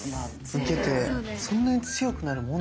受けてそんなに強くなるもんなの？